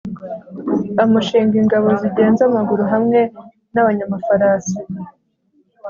amushinga ingabo zigenza amaguru hamwe n'abanyamafarasi